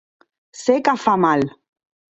Sé que fa mal.